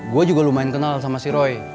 gue juga lumayan kenal sama si roy